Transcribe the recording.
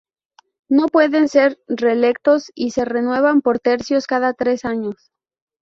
No pueden ser reelectos y se renuevan por tercios cada tres años.